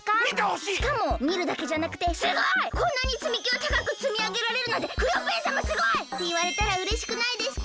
しかもみるだけじゃなくて「すごい！こんなにつみきをたかくつみあげられるなんてクヨッペンさますごい！」っていわれたらうれしくないですか？